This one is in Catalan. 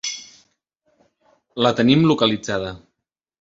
La tenim localitzada.